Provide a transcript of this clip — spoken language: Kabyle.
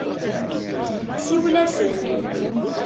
Siwel-asen.